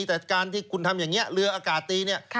แต่การที่คุณทำอย่างนี้เรืออากาศตีเนี่ย